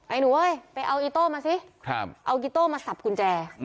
หนูเอ้ยไปเอาอีโต้มาสิเอาอีโต้มาสับกุญแจ